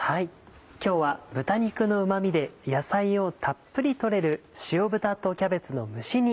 今日は豚肉のうま味で野菜をたっぷり取れる「塩豚とキャベツの蒸し煮」